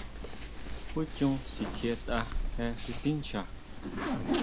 Jú chon sikjietʼa je xi tincha.